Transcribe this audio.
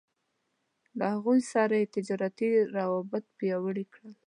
له هغوی سره يې تجارتي روابط پياوړي کړل.